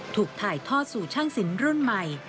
ถูกถ่ายทอดสู่ช่างศิลป์รุ่นใหม่